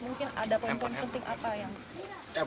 mungkin ada poin poin penting apa yang